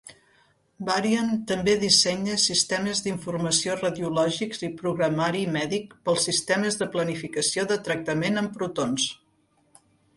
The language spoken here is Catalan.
Varian també dissenya sistemes d"informació radiològics i programari mèdic pels sistemes de planificació de tractament amb protons.